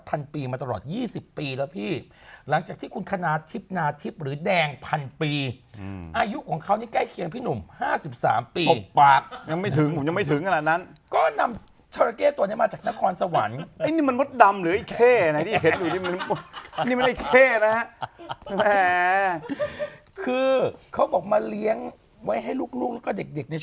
อันนี้เนี่ยรอเพียงแต่เอาหนังสือกินเน็ตบุ๊คเนี่ยนะคะ